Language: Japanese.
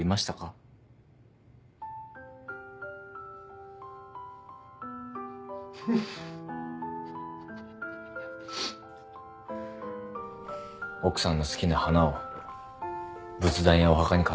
奥さんの好きな花を仏壇やお墓に飾ってあげてますか？